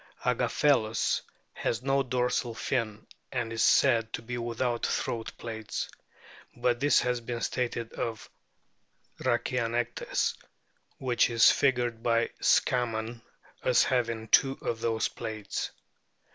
Agaphelus* has no dorsal fin, and is said to be without throat plaits ; but this has been stated of Rhachianectes, which is figured by Scammon as having two of those plaits.